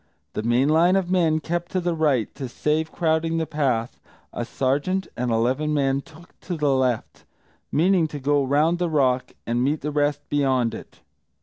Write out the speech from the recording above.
The main line of men kept to the right; to save crowding the path, a sergeant and eleven men took the left, meaning to go round the rock and meet the rest beyond it.